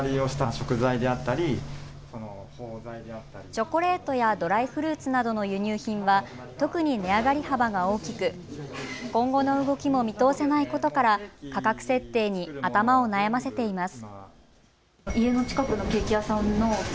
チョコレートやドライフルーツなどの輸入品は特に値上がり幅が大きく、今後の動きも見通せないことから価格設定に頭を悩ませています。